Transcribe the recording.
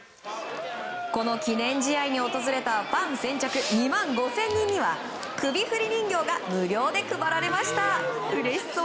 この記念試合に訪れたファン先着２万５０００人には首振り人形が無料で配られました。